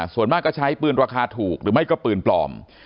ส่วนมากก็ใช้ปืนราคาถูกหรือไม่ก็ปืนปลอม